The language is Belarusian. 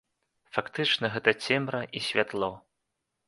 Фактычна, гэта цемра і святло.